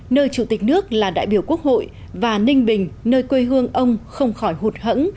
nơi chủ tịch nước là đại biểu quốc hội và ninh bình nơi quê hương ông không khỏi hụt hẫn